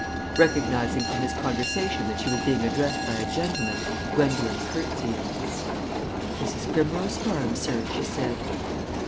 Recognizing from his conversation that she was being addressed by a gentleman, Gwendolen curtsied. "This is Primrose Farm, sir," she said.